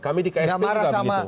kami di ksp juga begitu